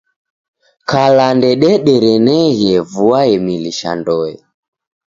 Kala ndedereneghe vua emilisha ndoe.